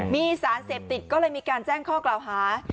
มีสารเสพติดก็เลยมีการแจ้งข้อกล่าวหา